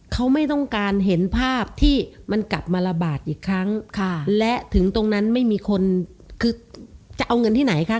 เขาไม่ต้องการเห็นภาพที่มันกลับมาระบาดอีกครั้งค่ะและถึงตรงนั้นไม่มีคนคือจะเอาเงินที่ไหนคะ